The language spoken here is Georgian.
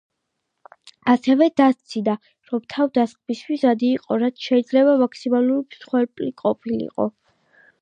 ასევე დასძინა, რომ თავდასხმის მიზანი იყო, რაც შეიძლება მაქსიმალური მსხვერპლი ყოფილიყო.